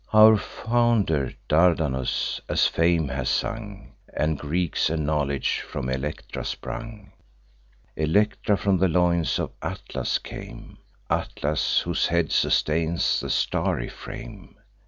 Our founder Dardanus, as fame has sung, And Greeks acknowledge, from Electra sprung: Electra from the loins of Atlas came; Atlas, whose head sustains the starry frame.